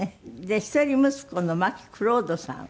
一人息子の眞木蔵人さんは。